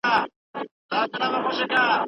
د چا په زړه کې زخم جوړ کړي